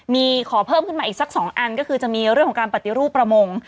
มีขอเพิ่มขึ้นมาอีกสัก๒อันก็คือจะมีเรื่องของการปฏิรูปประมง